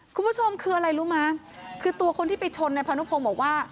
คุณผู้ชมคืออะไรรู้มั้ยคือตัวคนที่ไปชนนายพานุพงศ์บอกว่า